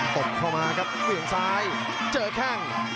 ตบเข้ามาครับเปลี่ยนซ้ายเจอแข้ง